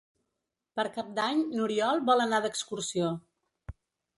Per Cap d'Any n'Oriol vol anar d'excursió.